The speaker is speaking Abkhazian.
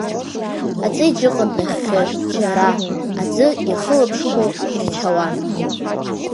Аҵеџь ыҟан нахьхьи, џьара, аӡы иахылаԥшхәу ихьчауан.